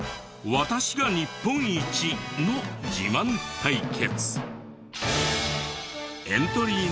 私が日本一！？の自慢対決。